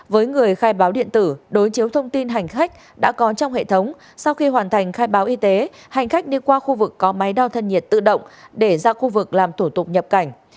với người khai báo điện tử đối chiếu thông tin hành khách đã có trong hệ thống sau khi hoàn thành khai báo y tế hành khách đi qua khu vực có máy đo thân nhiệt tự động để ra khu vực làm thủ tục nhập cảnh